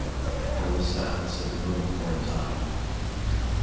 There was silence in the room for a time.